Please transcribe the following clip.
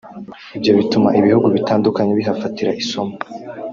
Ibyo bituma ibihugu bitandukanye bihafatira isomo